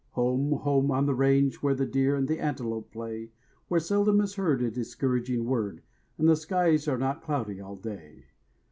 Home, home on the range, Where the deer and the antelope play; Where seldom is heard a discouraging word And the skies are not cloudy all day.